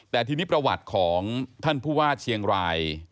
แต่ทีนี้ประวัติของท่านผู้ว่าเชียงราย